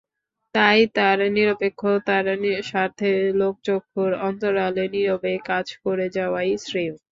তাই তাঁর নিরপেক্ষতার স্বার্থে লোকচক্ষুর অন্তরালে, নীরবে কাজ করে যাওয়াই শ্রেয়।